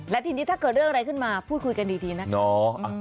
และทีนี้ถ้าเกิดเรื่องอะไรขึ้นมาพูดคุยกันดีนะคะ